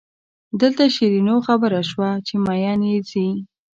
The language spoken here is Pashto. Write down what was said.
دلته شیرینو خبره شوه چې مئین یې ځي.